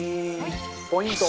ポイント。